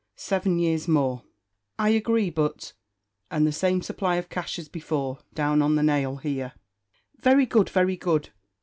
"Seven years more." "I agree; but " "And the same supply of cash as before, down on the nail here." "Very good; very good.